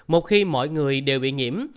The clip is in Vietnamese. một khi mọi người đều bị nhiễm